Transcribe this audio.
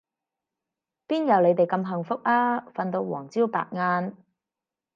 邊有你哋咁幸福啊，瞓到黃朝白晏